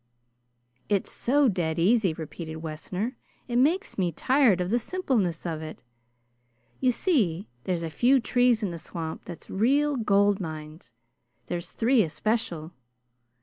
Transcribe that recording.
"It's so dead easy," repeated Wessner, "it makes me tired of the simpleness of it. You see there's a few trees in the swamp that's real gold mines. There's three especial.